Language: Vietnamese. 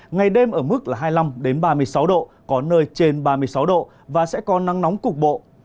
ngày đêm ở mức là hai mươi năm ba mươi sáu độ có nơi trên ba mươi sáu độ và sẽ có nắng nóng cục bộ